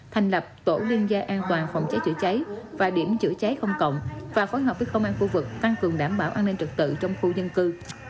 thành lập tổ liên gia an toàn phòng cháy chữa cháy và điểm chữa cháy công cộng và phối hợp với công an khu vực tăng cường đảm bảo an ninh trật tự trong khu dân cư